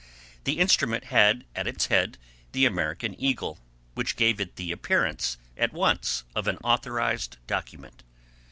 The instrument had at its head the American eagle, which gave it the appearance at once of an authorized document.